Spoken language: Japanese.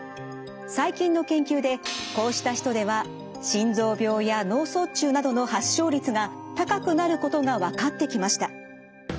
最近の研究でこうした人では心臓病や脳卒中などの発症率が高くなることが分かってきました。